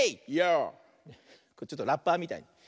ちょっとラッパーみたい。